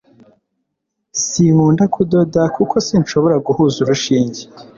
sinkunda kudoda kuko sinshobora guhuza urushinge